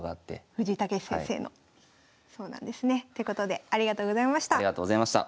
そうなんですね。ということでありがとうございました。